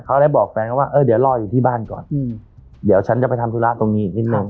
เขาเลยบอกแฟนเขาว่าเออเดี๋ยวรออยู่ที่บ้านก่อนเดี๋ยวฉันจะไปทำธุระตรงนี้อีกนิดนึง